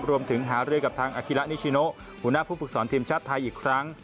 รวมถึงหาเรื่องกับทางอคิลานิชิโนหุนาผู้ฝึกสอนทีมชัดไทยอีกครั้ง